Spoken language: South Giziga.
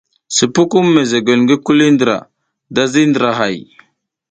Sikukum mezegwel ngi kuli ndra da ziriy ndrahay.